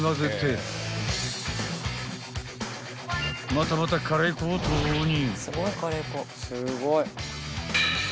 ［またまたカレー粉を投入］